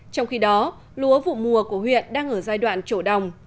trong khi đó lúa vụ mùa của huyện đang ở giai đoạn chỗ đồng